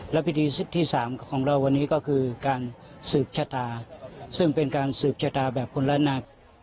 และพิธีที่๓ของเราวันนี้ก็คือการสืบชะตาซึ่งเป็นการสืบชะตาแบบคนละนัก